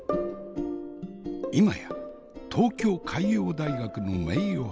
今や東京海洋大学の名誉博士。